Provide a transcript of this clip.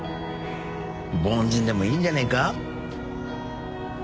凡人でもいいんじゃねえか？